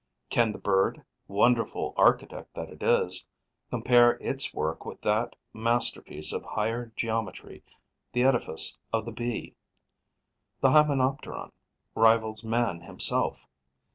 Can the bird, wonderful architect that it is, compare its work with that masterpiece of higher geometry, the edifice of the Bee? The Hymenopteron rivals man himself.